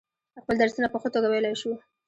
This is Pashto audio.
خپل درسونه په ښه توگه ویلای شو.